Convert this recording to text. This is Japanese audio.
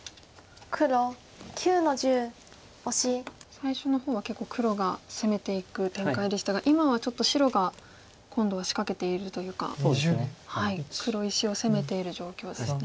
最初の方は結構黒が攻めていく展開でしたが今はちょっと白が今度は仕掛けているというか黒石を攻めている状況ですね。